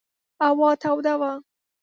هوا توده وه.